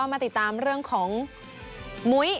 มาติดตามเรื่องของมุ้ย